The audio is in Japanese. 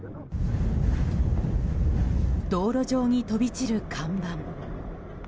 道路上に飛び散る看板。